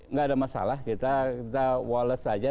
nggak ada masalah kita walles saja